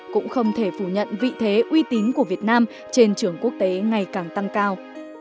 cũng không thể phủ nhận vị thế uy tín của việt nam trên trường quốc tế ngày càng tăng cao